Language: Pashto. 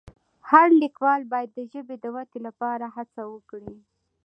هر لیکوال باید د ژبې د ودې لپاره هڅه وکړي.